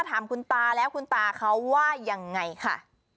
ถามคุณตาแล้วคุณตาเขาว่ายังไงค่ะ